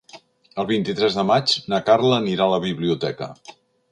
El vint-i-tres de maig na Carla anirà a la biblioteca.